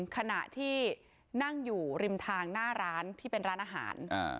ขณะที่นั่งอยู่ริมทางหน้าร้านที่เป็นร้านอาหาร